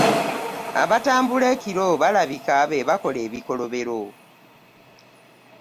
Abatambula ekiro balabika be bakola ebikolobero.